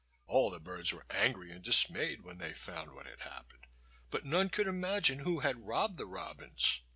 All the birds were angry and dismayed when they found what had happened, but none could imagine who had robbed the robins.